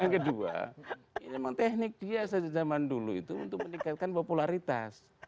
yang kedua ini memang teknik dia sejak zaman dulu itu untuk meningkatkan popularitas